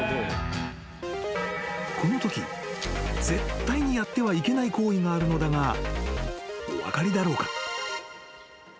［このとき絶対にやってはいけない行為があるのだがお分かりだろうか？］